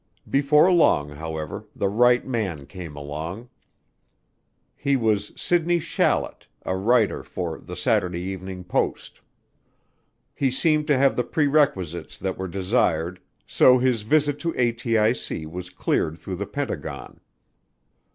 Before long, however, the right man came along. He was Sidney Shallet, a writer for The Saturday Evening Post. He seemed to have the prerequisites that were desired, so his visit to ATIC was cleared through the Pentagon.